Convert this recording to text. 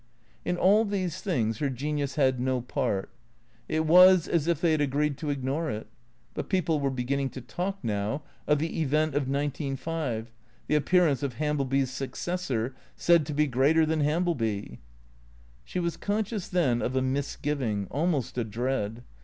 In all these things her genius had no part. It was as if they had agreed to ignore it. But people were beginning to talk now of the Event of nineteen five, the appearance of Hambleby's suc cessor, said to be greater than Hambleby. She was conscious then of a misgiving, almost a dread.